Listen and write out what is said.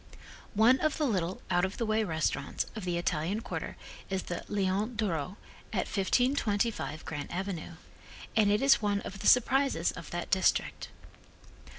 One of the little, out of the way restaurants of the Italian quarter is the Leon d'Oro, at 1525 Grant avenue, and it is one of the surprises of that district.